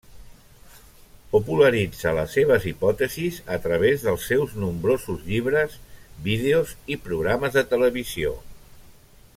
Popularitza les seves hipòtesis a través dels seus nombrosos llibres, vídeos i programes de televisió.